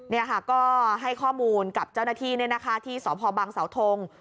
นี่ค่ะก็ให้ข้อมูลกับเจ้าหน้าที่ที่สพบังเสาทง